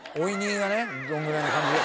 どんぐらいの感じか。